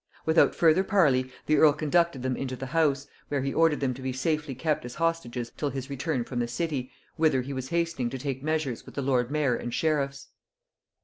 Without further parley the earl conducted them into the house, where he ordered them to be safely kept as hostages till his return from the city, whither he was hastening to take measures with the lord mayor and sheriffs.